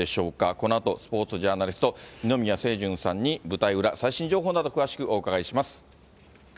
このあとスポーツジャーナリスト、二宮清純さんに舞台裏、最新情報など詳しくお伺いします。